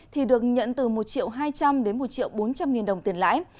thì được nhận từ một triệu hai trăm linh đến một triệu bốn trăm linh nghìn đồng tiền lãi